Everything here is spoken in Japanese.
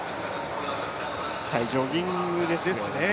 ジョギングですよね。